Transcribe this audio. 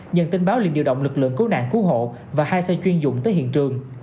nhận tin báo liền điều động lực lượng cứu nạn cứu hộ và hai xe chuyên dụng tới hiện trường